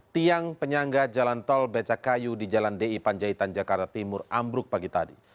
tiang penyangga jalan tol becakayu di jalan di panjaitan jakarta timur ambruk pagi tadi